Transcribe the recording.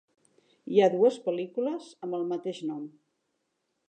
Hi ha dues pel·lícules amb el mateix nom.